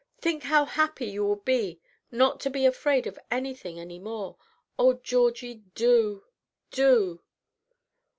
Think how happy you will be not to be afraid of anything any more. Oh, Georgie, do, do!"